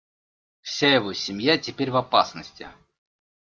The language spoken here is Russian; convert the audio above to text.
Вся его семья теперь в опасности.